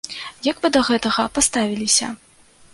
Як вы да гэтага паставіліся?